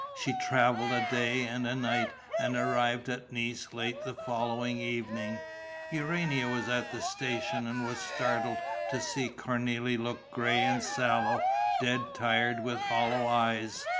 She travelled a day and a night and arrived at Nice late the following evening. Urania was at the station and was startled to see Cornélie look grey and sallow, dead tired, with hollow eyes.